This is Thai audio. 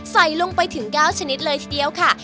ใส่ลงไปถึง๙ชนิดเลยทีเดียวค่ะ